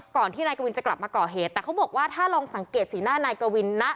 ที่นายกวินจะกลับมาก่อเหตุแต่เขาบอกว่าถ้าลองสังเกตสีหน้านายกวินนะ